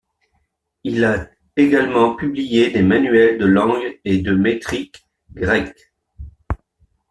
Il a également publié des manuels de langue et de métrique grecques.